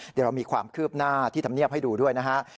เดี๋ยวเรามีความคืบหน้าที่ธรรมเนียบให้ดูด้วยนะฮะ